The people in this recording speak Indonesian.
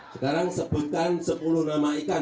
sekarang sebutkan sepuluh nama ikan